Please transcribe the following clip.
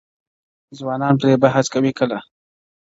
ځوانان پرې بحث کوي کله,